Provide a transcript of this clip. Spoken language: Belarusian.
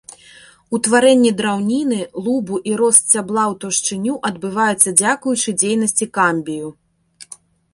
Утварэнне драўніны, лубу і рост сцябла ў таўшчыню адбываецца дзякуючы дзейнасці камбію.